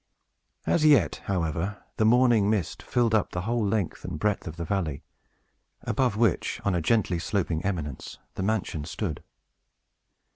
As yet, however, the morning mist filled up the whole length and breadth of the valley, above which, on a gently sloping eminence, the mansion stood.